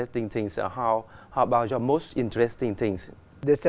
tôi nghĩ tiếng tiếng việt